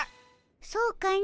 そうかの。